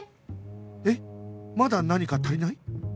まだ何か足りない？